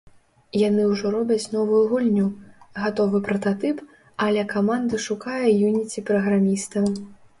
Яны ўжо робяць новую гульню — гатовы прататып, але каманда шукае Unity-праграміста.